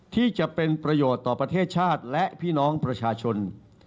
ที่จะเป็นประโยชน์ต่อประเทศชาติและพี่น้องประชาชน